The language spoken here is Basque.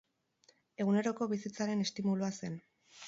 Eguneroko bizitzaren estimulua zen.